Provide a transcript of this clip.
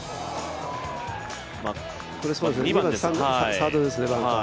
サードですね、バンカー。